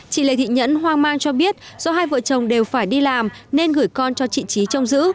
chị lê thị nhẫn hoang mang cho biết do hai vợ chồng đều phải đi làm nên gửi con cho chị trí trông giữ